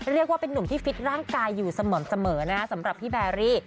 เรียกว่าเป็นนุ่มที่ฟิตร่างกายอยู่เสมอนะคะสำหรับพี่แบรี่